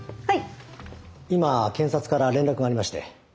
今検察から連絡がありまして。